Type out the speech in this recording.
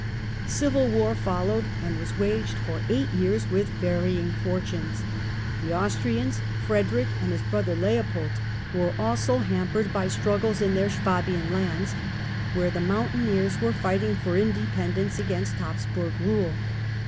Civil war followed and was waged for eight years with varying fortunes. The Austrians, Frederick and his brother Leopold, were also 16 THE END OF THE MIDDLE AGE hampered by struggles in their Swabian lands, where the mountaineers were fighting for independence against Habsburg rule.